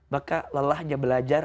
maka lelahnya belajar